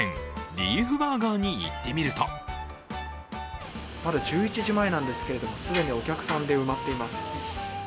ＲｅｅｆＢＵＲＧＥＲに行ってみるとまだ１１時前なんですけど、既にお客さんで埋まってます。